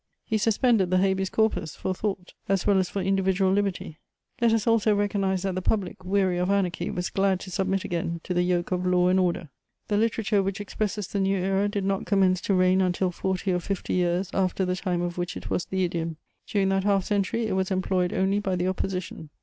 He suspended the Habeas Corpus for thought as well as for individual liberty. Let us also recognise that the public, weary of anarchy, was glad to submit again to the yoke of law and order. [Sidenote: New forms in literature.] The literature which expresses the new era did not commence to reign until forty or fifty years after the time of which it was the idiom. During that half century, it was employed only by the opposition.